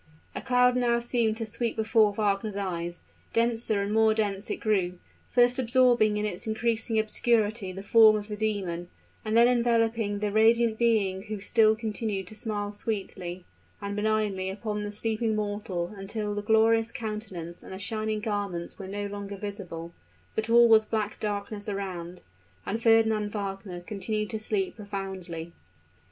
A cloud now seemed to sweep before Wagner's eyes; denser and more dense it grew first absorbing in its increasing obscurity the form of the demon, and then enveloping the radiant being who still continued to smile sweetly and benignly upon the sleeping mortal until the glorious countenance and the shining garments were no longer visible, but all was black darkness around. And Fernand Wagner continued to sleep profoundly.